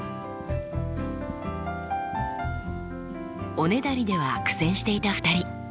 おねだりでは苦戦していた２人。